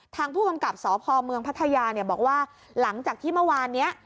ทางผู้กำกับสพเมืองพัทยาเนี่ยบอกว่าหลังจากที่เมื่อวานนี้